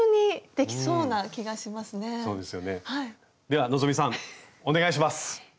では希さんお願いします。